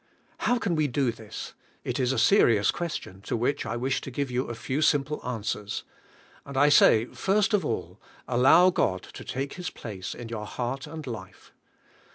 How can we do this? It is a serious ques tion, to which I wish to give you a few simple answers. And I say, first of all: Allow God to take His place in your heart and life.